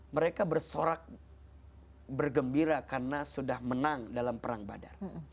mereka bersorak bergembira karena sudah menang dalam perang badar